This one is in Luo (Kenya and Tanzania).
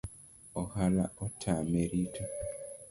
Ohala otame rito